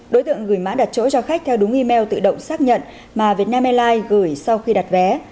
đối tượng gửi mã đặt chỗ cho khách theo đúng email tự động xác nhận mà việt nam airlines gửi sau khi đặt vé